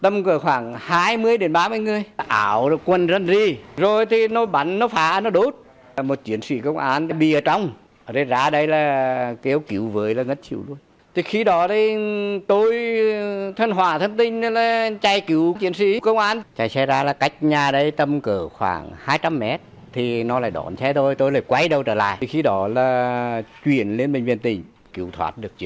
mình viên tình cứu thoát được chiến sĩ công an là tôi mừng